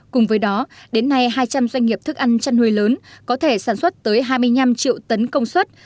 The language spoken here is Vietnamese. cùng với đó đến nay hai trăm linh doanh nghiệp thức ăn chăn nuôi lớn có thể sản xuất tới hai mươi năm triệu tấn công suất